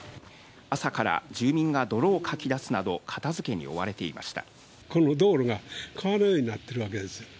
朝から住民が泥をかき出すなど、片付けに追われていました。